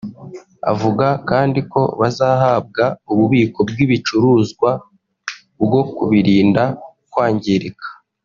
Avuga kandi ko bazahabwa ububiko bw’ibicuruzwa bwo kubirinda kwangirika